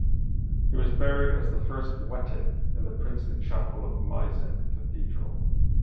He was buried as the first Wettin in the princely chapel in Meissen Cathedral.